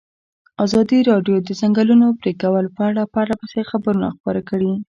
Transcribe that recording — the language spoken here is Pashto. ازادي راډیو د د ځنګلونو پرېکول په اړه پرله پسې خبرونه خپاره کړي.